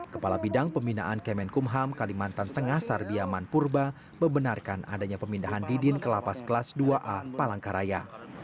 kepala bidang pembinaan kemenkumham kalimantan tengah sarbiaman purba membenarkan adanya pemindahan didin ke lapas kelas dua a palangkaraya